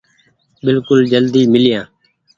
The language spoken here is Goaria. بلڪل جلدي ميليآن